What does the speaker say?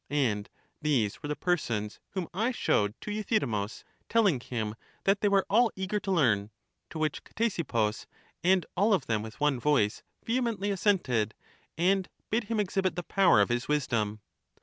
And these were the persons whom I showed to Euthydemus, telling him that they were all eager to learn: to which Ctesippus and all of them with one voice vehemently assented, and bid him ex hibit the power of his wisdom.